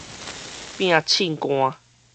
拚凊汗